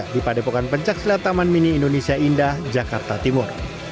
di padepokan pencak silataman mini indonesia indah jakarta timur